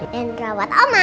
dan rawat oma